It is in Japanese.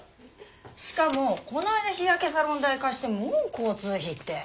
しかもこないだ日焼けサロン代貸してもう交通費って。